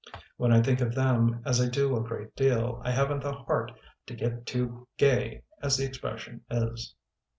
When I think of them, as I do a great deal, I haven't the heart to 'get too gay', as the expression is."